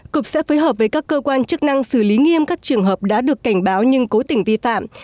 cục sẽ phối hợp với các cơ quan chức năng xử lý nghiêm các trường hợp đã được cảnh báo nhưng cố tình vi phạm